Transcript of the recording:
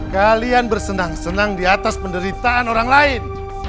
kalian bersenang senang di atas penderitaan orang lain